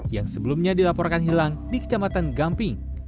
yang sebelumnya dilaporkan hilang di kecamatan gamping